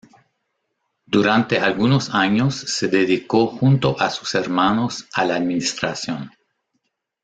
Durante algunos años se dedicó junto a sus hermanos a la administración.